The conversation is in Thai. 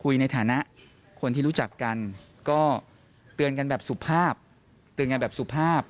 ใช้อำนาจที่เป็นสอข่มขู่